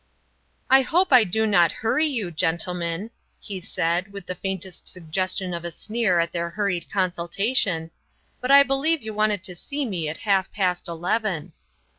"I hope I do not hurry you, gentlemen," he said, with the faintest suggestion of a sneer at their hurried consultation, "but I believe you wanted to see me at half past eleven."